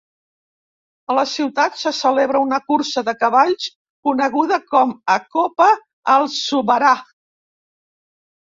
A la ciutat se celebra una cursa de cavalls coneguda com a Copa Al Zubarah.